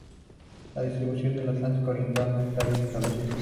Su distribución en el Atlántico oriental no está bien establecida.